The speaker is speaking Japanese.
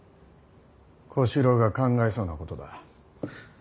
小四郎が考えそうなことだ。